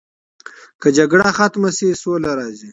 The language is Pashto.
که جګړه ختمه سي سوله راځي.